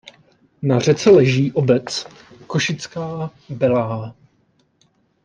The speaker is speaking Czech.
Na řece leží obec Košická Belá.